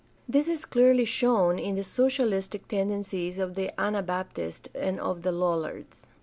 This is clearly shown in the socialistic tendencies of the Anabaptists and of the Lollards.